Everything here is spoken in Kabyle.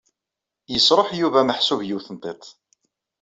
Yesṛuḥ Yuba meḥsub yiwet n tiṭ.